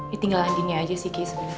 ya tinggal andinnya aja sih